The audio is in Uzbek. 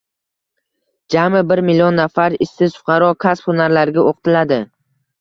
Jami bir million nafar ishsiz fuqaro kasb-hunarlarga o‘qitiladi